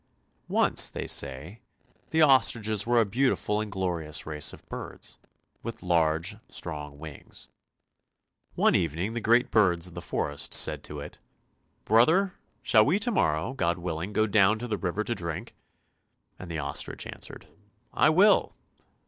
Once, they say, the ostriches were a beautiful and glorious race of birds, with large, strong wings. One evening the great birds of the forest said to it, " Brother, shall we to morrow, God willing, go down to the river to drink? " And the ostrich answered, " I will!